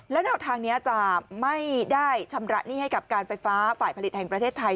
และแนวทางนี้จะไม่ได้ชำระหนี้ให้กับการไฟฟ้าฝ่ายผลิตแห่งประเทศไทย